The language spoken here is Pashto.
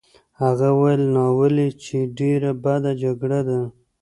هغه وویل: ناولې! چې ډېره بده جګړه ده.